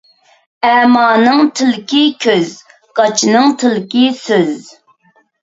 ئەمانىڭ تىلىكى كۆز، گاچىنىڭ تىلىكى سۆز.